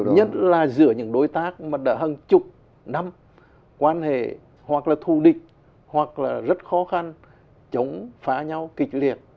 nhất là giữa những đối tác mà đã hàng chục năm quan hệ hoặc là thù địch hoặc là rất khó khăn chống phá nhau kịch liệt